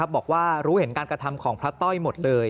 บอกว่ารู้เห็นการกระทำของพระต้อยหมดเลย